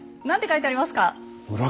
何て書いてありますか？